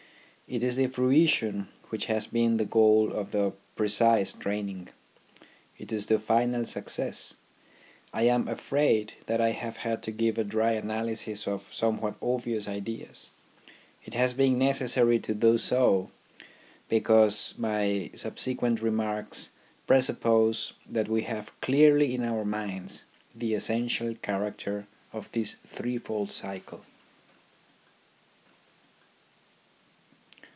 It is the fruition which has been the goal of the precise training. It is the final success. I am afraid that I have had to give a dry analysis of some THE RHYTHM OF EDUCATION 13 what obvious ideas. It has been necessary to do so because my subsequent remarks presuppose that we have clearly in our minds the essential character of this threefold cycle.